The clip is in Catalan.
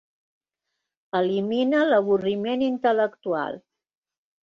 Elimina l'avorriment intel·lectual.